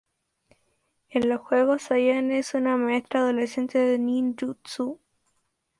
En los juegos, Ayane es una maestra adolescente de Ninjutsu.